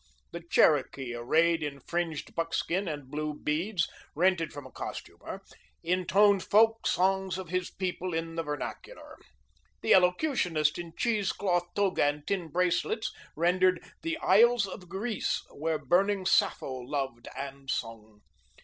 The Cherokee, arrayed in fringed buckskin and blue beads, rented from a costumer, intoned folk songs of his people in the vernacular. The elocutionist in cheese cloth toga and tin bracelets, rendered "The Isles of Greece, where burning Sappho loved and sung."